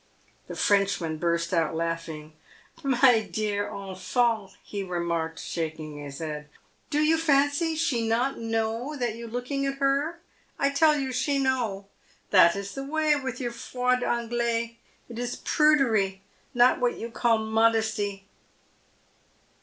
The Frenchman burst out laughing. "My dear enfants" he re marked, shaking his head, "do you fancy she not know that you looking at her ? I tell you she know. That is the way with your froides Anglaises. It is prudery, not what you call modesty."